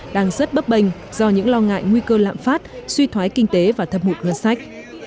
đang rất bấp bênh do những lo ngại nguy cơ lạm phát suy thoái kinh tế và thấp hụt ngân sách